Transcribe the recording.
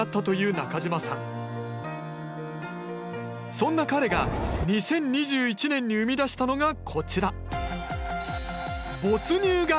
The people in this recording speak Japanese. そんな彼が２０２１年に生み出したのがこちら。